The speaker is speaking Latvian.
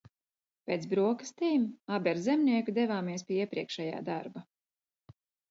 Pēc brokastīm abi ar Zemnieku devāmies pie iepriekšējā darba.